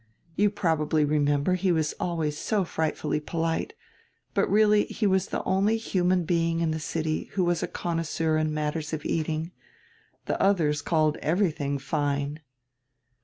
You probably remember he was always so frightfully polite, but really he was die only human being in die city who was a connoisseur in matters of eating. The others called everything fine."